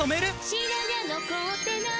「白髪残ってない！」